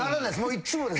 いつもです。